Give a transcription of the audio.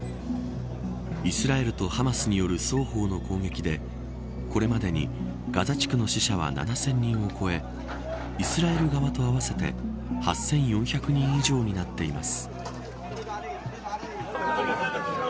イスラエルとハマスによる双方の攻撃でこれまでにガザ地区の死者は７０００人を超えイスラエル側と合わせて８４００人以上になっています。